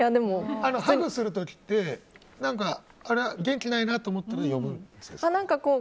ハグする時って元気ないなと思ったら呼ぶんですか？